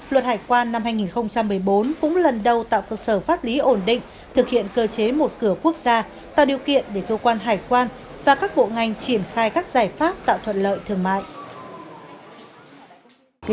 luật hải quan năm hai nghìn một mươi bốn cũng lần đầu tạo cơ sở pháp lý ổn định thực hiện cơ chế một cửa quốc gia tạo điều kiện để cơ quan hải quan và các bộ ngành triển khai các giải pháp tạo thuận lợi thương mại